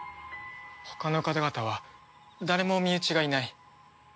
他の方々は誰も身内がいない。